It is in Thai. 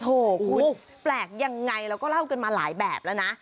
ถูกคุณแปลกยังไงเราก็เล่ากันมาหลายแบบแล้วนะ